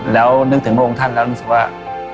แล้วนึกถึงพวกท่านแล้วนึกสิว่า